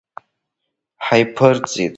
Ҳаиԥырҵит.